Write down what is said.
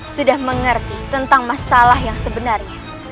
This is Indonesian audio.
sudah mengerti tentang masalah yang sebenarnya